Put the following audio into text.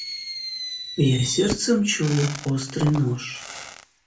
Я сердцем чую острый нож.